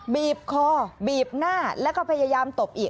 บีบคอบีบหน้าแล้วก็พยายามตบอีก